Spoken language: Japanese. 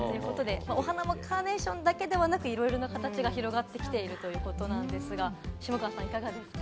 お花もカーネーションだけではなく、いろいろな形が広がってきているということなんですが、下川さん、いかがですか？